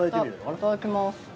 いただきます。